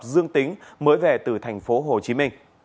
dương tính mới về từ tp hcm